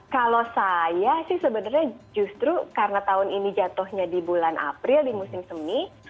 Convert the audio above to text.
kalau saya sih sebenarnya justru karena tahun ini jatuhnya di bulan april di musim semi